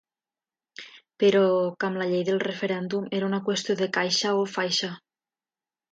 Però que amb la llei del referèndum era una qüestió de caixa o faixa.